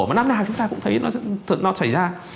mà năm nay chúng ta cũng thấy nó xảy ra